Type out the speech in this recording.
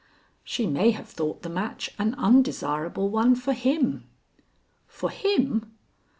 "She may have thought the match an undesirable one for him." "For him?